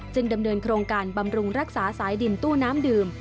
ดำเนินโครงการบำรุงรักษาสายดินตู้น้ำดื่ม